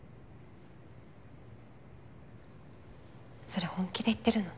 それ本気で言ってるの？